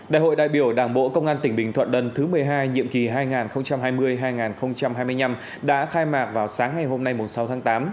đại hội đại biểu đảng bộ công an tỉnh bình thuận lần thứ một mươi hai nhiệm kỳ hai nghìn hai mươi hai nghìn hai mươi năm đã khai mạc vào sáng ngày hôm nay sáu tháng tám